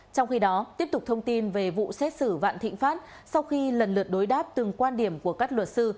trong khi đó tiếp tục thông tin về vụ xét xử vạn thịnh pháp sau khi lần lượt đối đáp từng quan điểm của các luật sư